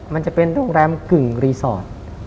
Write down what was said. มันจะเป็นโรงแรมกึ่งรีสอร์ท